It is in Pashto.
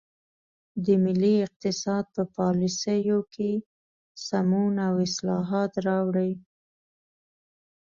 د ملي اقتصاد په پالیسیو کې سمون او اصلاحات راوړي.